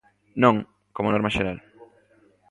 Non, como normal xeral.